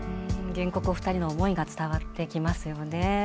原告お二人の思いが伝わってきますよね。